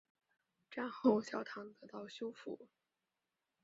战后教堂得到修复。